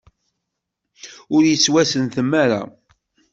Ur yettwasentem ara.